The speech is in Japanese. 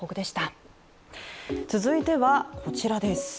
続いては、こちらです。